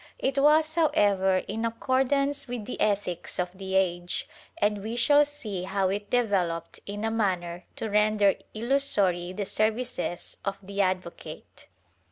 It was, however, in accordance with the ethics of the age, and we shall see how it developed in a manner to render illusory the services of the advocate.